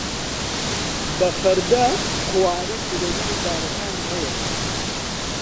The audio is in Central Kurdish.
بە فەردە قوارگ لەنێو دارەکان هەیە.